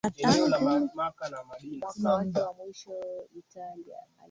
chama hichoUchaguzi wa mwaka elfu mbili na kumi na tisa ulikuwa wa tofauti